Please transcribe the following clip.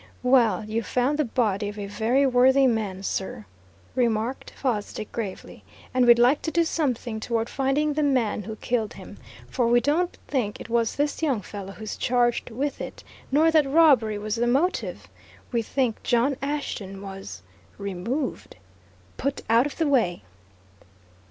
"Well, you found the body of a very worthy man, sir," remarked Fosdick gravely. "And we'd like to do something toward finding the man who killed him. For we don't think it was this young fellow who's charged with it, nor that robbery was the motive. We think John Ashton was removed. Put out of the way!"